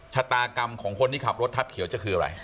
ชะตากรรมของคนที่ขับรถทับเขียวจะคืออะไร